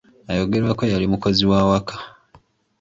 Ayogerwako yali mukozi wa waka.